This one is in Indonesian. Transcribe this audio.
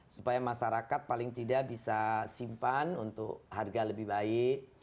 supaya masyarakat paling tidak bisa simpan untuk harga lebih baik